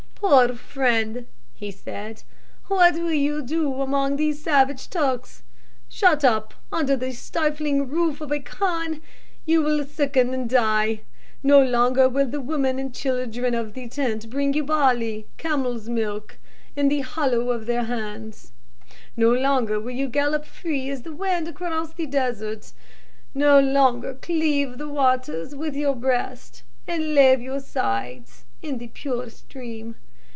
"Poor friend," he said, "what will you do among these savage Turks? Shut up under the stifling roof of a khan, you will sicken and die. No longer will the women and children of the tent bring you barley, camel's milk, or dhourra in the hollow of their hands. No longer will you gallop free as the wind across the desert; no longer cleave the waters with your breast, and lave your sides in the pure stream.